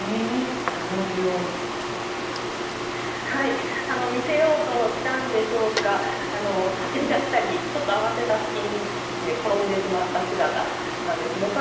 はい見せようとしたんでしょうか走りだしたりちょっと慌てた隙に転んでしまった姿なんですね。